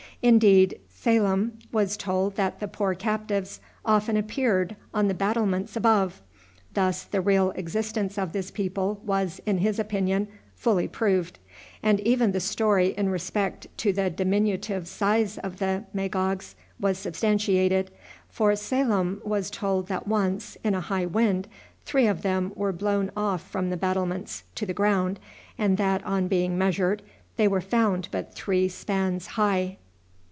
Indeed, Salam was told that the poor captives often appeared on the battlements above. Thus the real existence of this people was, in his opinion, fully proved; and even the story in respect to the diminutive size of the Magogs was substantiated, for Salam was told that once, in a high wind, three of them were blown off from the battlements to the ground, and that, on being measured, they were found but three spans high.